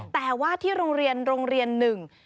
แต่ว่าที่โรงเรียนโรงเรียนหนึ่ง